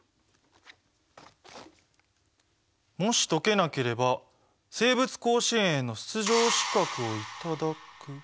「もし解けなければ生物甲子園への出場資格をいただく」。